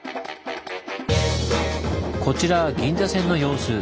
こちらは銀座線の様子。